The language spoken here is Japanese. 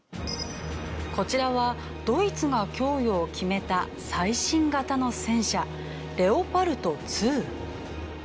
こちらはドイツが供与を決めた最新型の戦車レオパルト２。